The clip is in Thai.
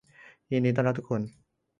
ยินดีต้อนรับทุกคน